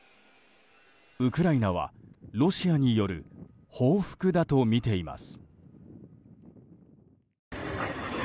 ウクライナはロシアによる報復だとみています。